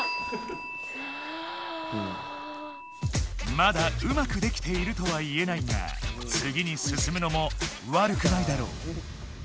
まだうまくできているとは言えないがつぎにすすむのもわるくないだろう！